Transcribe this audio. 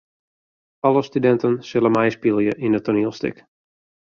Alle studinten sille meispylje yn it toanielstik.